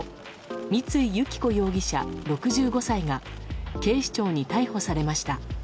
三井由起子容疑者、６５歳が警視庁に逮捕されました。